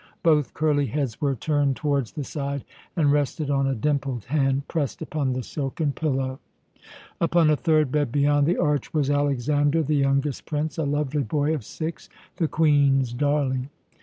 Both curly heads were turned towards the side, and rested on a dimpled hand pressed upon the silken pillow. Upon a third bed, beyond the arch, was Alexander, the youngest prince, a lovely boy of six, the Queen's darling.